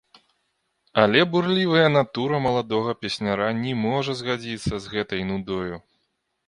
Але бурлівая натура маладога песняра не можа згадзіцца з гэтай нудою.